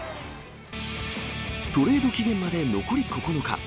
トレード期限まで残り９日。